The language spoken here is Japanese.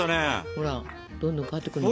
ほらどんどん変わってくるの。